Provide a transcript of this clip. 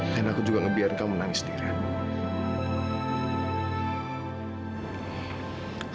dan aku juga ngebiarin kamu menangis sendirian